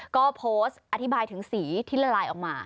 ก็โพสต์อธิบายถึงสีที่ละลายออกมา